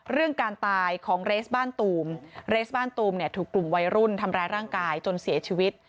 เรื่องการตายของเรสบ้านตูมเรสบ้านตูมเนี่ยถูกกลุ่มวัยรุ่นทำร้ายร่างกายจนเสียชีวิต